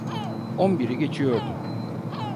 On biri geçiyordu.